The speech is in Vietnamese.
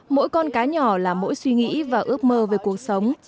mỗi con cá nhỏ là mỗi suy nghĩ và ước mơ về cuộc sống